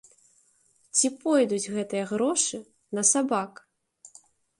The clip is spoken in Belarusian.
Ці пойдуць гэтыя грошы на сабак?